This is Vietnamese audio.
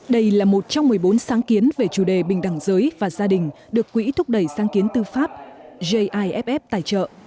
đây là một trong một mươi bốn sáng kiến về chủ đề bình đẳng giới và gia đình được quỹ thúc đẩy sáng kiến tư pháp jiff tài trợ